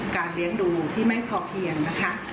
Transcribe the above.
เลี้ยงดูที่ไม่พอเพียงนะคะ